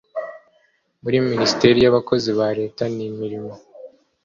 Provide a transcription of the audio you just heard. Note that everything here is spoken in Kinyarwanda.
muri minisiteri y'abakozi ba leta n'imirimo